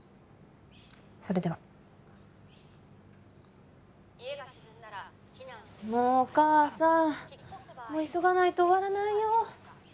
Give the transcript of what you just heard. それではもうお母さんもう急がないと終わらないよ